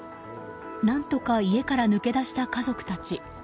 何とか家から抜け出した家族たち。